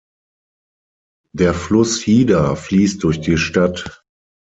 Der Fluss Hida fließt durch die Stadt.